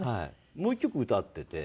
もう１曲歌ってて。